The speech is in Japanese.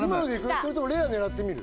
それともレア狙ってみる？